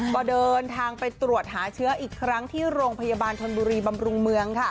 ก็เดินทางไปตรวจหาเชื้ออีกครั้งที่โรงพยาบาลธนบุรีบำรุงเมือง